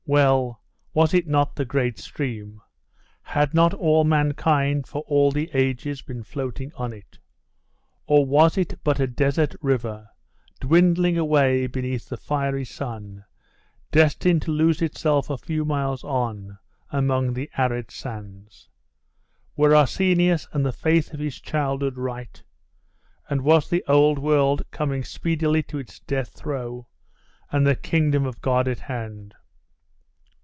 Well was it not the great stream? Had not all mankind, for all the ages, been floating on it? Or was it but a desert river, dwindling away beneath the fiery sun, destined to lose itself a few miles on, among the arid sands? Were Arsenius and the faith of his childhood right? And was the Old World coming speedily to its death throe, and the Kingdom of God at hand?